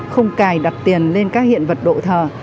không cài đặt tiền lên các hiện vật độ thờ